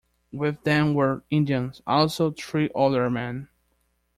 With them were Indians, also three other men.